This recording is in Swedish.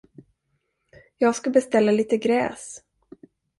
Jag ska beställa lite gräs.